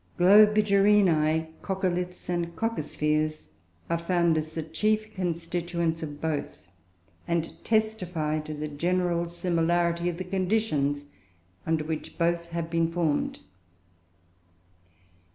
Globigerinoe, coccoliths, and coccospheres are found as the chief constituents of both, and testify to the general similarity of the conditions under which both have been formed.